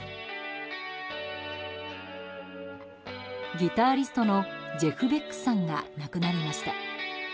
ギタリストのジェフ・ベックさんが亡くなりました。